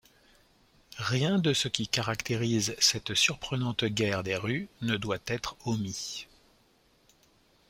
Rien de ce qui caractérise cette surprenante guerre des rues ne doit être omis.